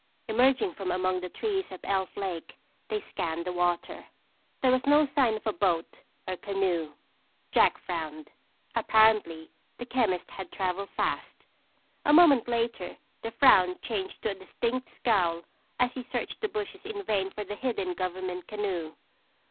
Emerging from among the trees at Elf Lake, they scanned the water. There was no sign of a boat or canoe. Jack frowned. Apparently, the chemist had traveled fast. A moment later, the frown changed to a distinct scowl as he searched the bushes in vain for the hidden government canoe.